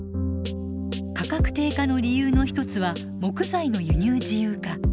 価格低下の理由の一つは木材の輸入自由化。